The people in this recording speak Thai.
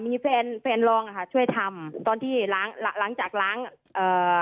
มีแฟนแฟนลองอ่ะค่ะช่วยทำตอนที่ล้างหลังจากล้างเอ่อ